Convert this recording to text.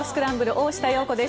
大下容子です。